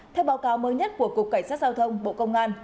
theo báo cáo mới nhất của cục cảnh sát giao thông bộ công an